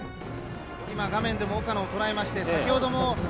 今、画面でも岡野を捉えまして、先ほども。